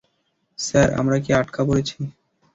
Sir, আমরা কি আটকা পড়েছি?